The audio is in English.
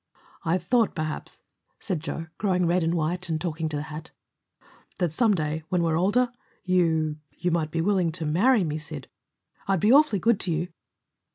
"I thought, perhaps," said Joe, growing red and white, and talking to the hat, "that some day, when we're older, you you might be willing to marry me, Sid. I'd be awfully good to you."